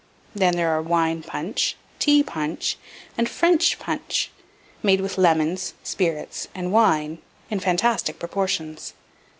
Then there are "Wine punch," "Tea punch," and "French punch," made with lemons, spirits, and wine, in fantastic proportions.